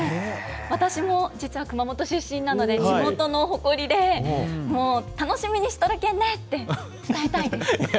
私も実は熊本出身なので、地元の誇りで、もう楽しみにしとるけんねって伝えたい。